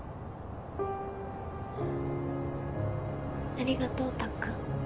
ありがとうたっくん。